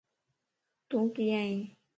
تو ڪيئن ائين؟